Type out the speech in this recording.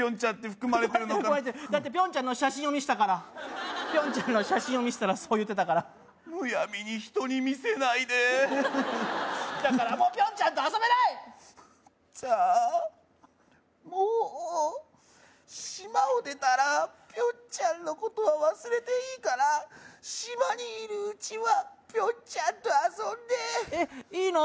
含まれてるだってピョンちゃんの写真を見したからピョンちゃんの写真を見したらそう言ってたからむやみに人に見せないでだからもうピョンちゃんとは遊べないじゃあもう島を出たらピョンちゃんのことは忘れていいから島にいるうちはピョンちゃんと遊んでえっいいの？